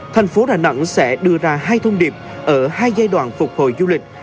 thành phố đà nẵng sẽ đưa ra hai thông điệp ở hai giai đoạn phục hồi du lịch